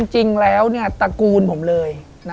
จริงแล้วตระกูลผมเลย